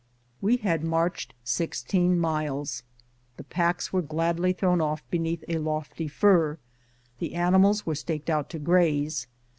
We had marched sixteen miles. The packs were gladly thrown off beneath a lofty fir ; the animals were staked out to graze.